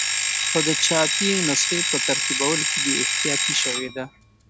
خو د چاپي نسخې په ترتیبولو کې بې احتیاطي شوې ده.